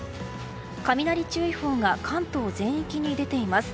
雷注意報が関東全域に出ています。